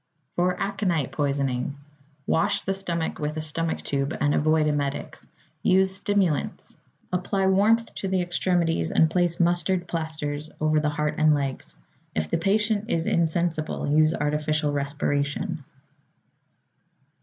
=For Aconite Poisoning.= Wash the stomach with a stomach tube and avoid emetics. Use stimulants. Apply warmth to the extremities and place mustard plasters over the heart and legs. If the patient is insensible, use artificial respiration.